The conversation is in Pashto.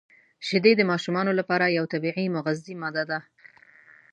• شیدې د ماشومانو لپاره یو طبیعي مغذي ماده ده.